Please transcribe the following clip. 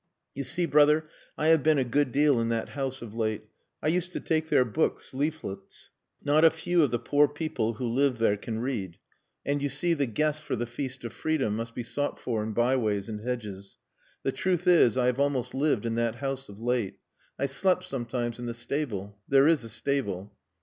"You see, brother, I have been a good deal in that house of late. I used to take there books leaflets. Not a few of the poor people who live there can read. And, you see, the guests for the feast of freedom must be sought for in byways and hedges. The truth is, I have almost lived in that house of late. I slept sometimes in the stable. There is a stable...."